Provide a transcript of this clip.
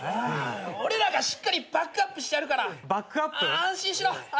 俺らがしっかりバックアップしてやるから安心しろ。